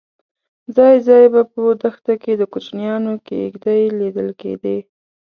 ځای ځای به په دښته کې د کوچیانو کېږدۍ لیدل کېدې.